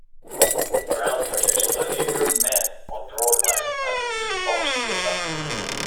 Brown produced "A Few Good Men" on Broadway at the Music Box Theatre.